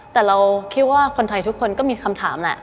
แต่เราคิดว่าคนไทยทุกคนก็มีคำถามแหละ